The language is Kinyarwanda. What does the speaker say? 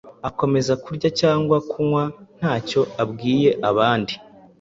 Akomeza kurya cyangwa kunywa nta cyo abwiye abandi